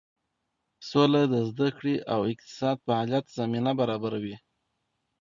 سوله د زده کړې او اقتصادي فعالیت زمینه برابروي.